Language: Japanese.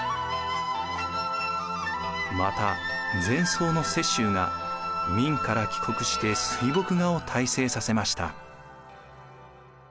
また禅僧の雪舟が明から帰国して水墨画を大成させました。